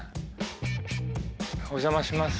お邪魔します。